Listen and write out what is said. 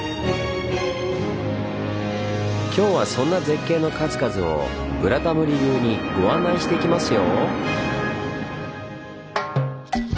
今日はそんな絶景の数々を「ブラタモリ」流にご案内していきますよ！